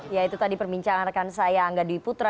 ya itu tadi perbincangan rekan saya angga dwi putra